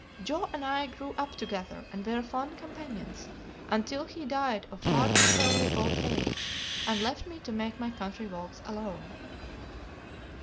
Joe and I grew up together and were fond companions, until he died of far too early old age and left me to take my country walks alone.